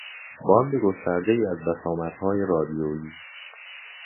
باند گستردهای از بسامدهای رادیویی